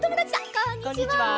こんにちは！